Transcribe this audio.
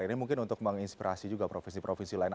ini mungkin untuk menginspirasi juga provinsi provinsi lain